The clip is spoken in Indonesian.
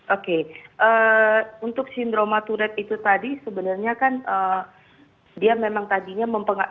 oke untuk sindroma turid itu tadi sebenarnya kan dia memang tadinya mempengaruhi